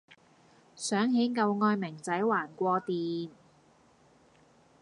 想起舊愛明仔還過電